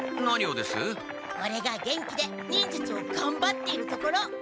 オレが元気で忍術をがんばっているところ！